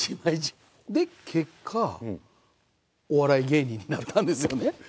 で結果お笑い芸人になったんですよね。